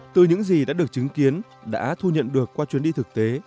từ những gì đã được chứng kiến đã thu nhận được qua chuyến đi thực tế